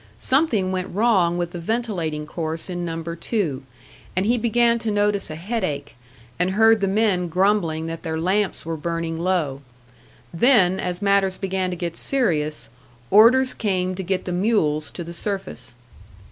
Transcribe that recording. Something went wrong with the ventilating course in Number Two, and he began to notice a headache, and heard the men grumbling that their lamps were burning low. Then, as matters began to get serious, orders came to get the mules to the surface.